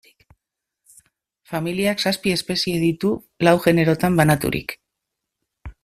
Familiak zazpi espezie ditu, lau generotan banaturik.